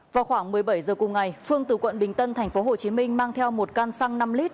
vào khoảng một mươi bảy giờ cùng ngày phương từ quận bình tân tp hcm mang theo một can xăng năm lit